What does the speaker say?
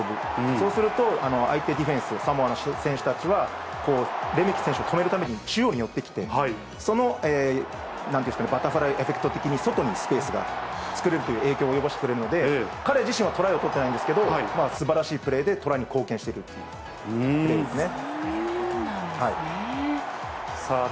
そうすると相手ディフェンス、サモアの選手たちは、レメキ選手を止めるために中央に寄ってきて、そのなんていうんでしょうかね、バタフライエフェクト的に外にスペースが作れるという影響を及ぼしてくれるので、彼自身はトライを取ってないんですけど、すばらしいプレーでトライに貢献しているプレーですね。